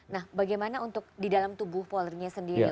nah bagaimana untuk di dalam tubuh polri nya sendiri